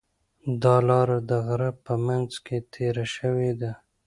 دا لاره د غره په منځ کې تېره شوې ده.